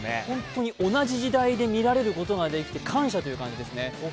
本当に同じ時代で見られることができて感謝という感じですね。